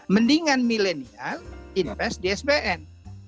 mendingan milenial investasi di sbn